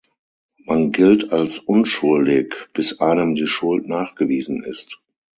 Man gilt als unschuldig, bis einem die Schuld nachgewiesen ist.